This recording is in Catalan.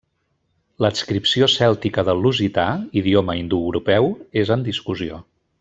L'adscripció cèltica del lusità, idioma indoeuropeu, és en discussió.